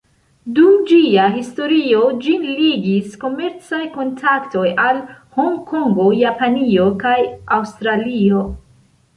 Dum ĝia historio, ĝin ligis komercaj kontaktoj al Hongkongo, Japanio kaj Aŭstralio.